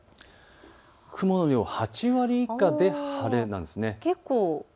雲の量、８割以下で晴れなんです。